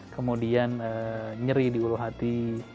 kemudian nyeri di ulu hati